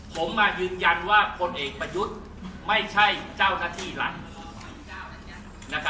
ผมมายืนยันว่าพลเอกประยุทธ์ไม่ใช่เจ้าหน้าที่รัฐ